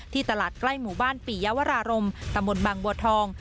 ตลาดใกล้หมู่บ้านปียาวรารมตำบลบางบัวทอง